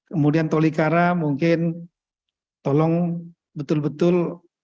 kemudian tolikara mungkin tolong betul betul